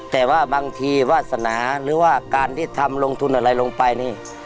แต่ว่าบางทีวาสนาหรือว่าการที่ทำลงทุนอะไรลงไปนี่